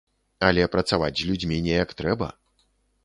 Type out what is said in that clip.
Але працаваць з людзьмі неяк трэба.